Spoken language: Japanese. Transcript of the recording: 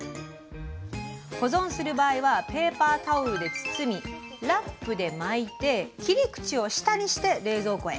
保存する場合はペーパータオルで包みラップで巻いて切り口を下にして冷蔵庫へ。